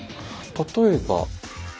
例えば。